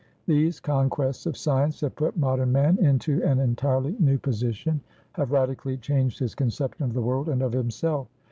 These conquests of science have put modern man into an entirely new position, have radically changed his conception of the world and of himself.